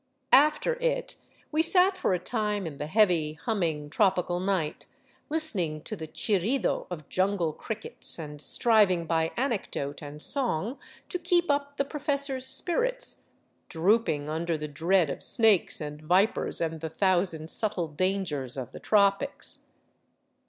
k After it, we sat for a time in the heavy, humming, tropical night, listening to the chirrido of jungle crickets and striving by anecdote and song to keep up the professor's spirits, drooping under the dread of snakes and vipers and the thousand subtle dangers of the tropics.